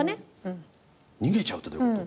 逃げちゃうってどういうこと？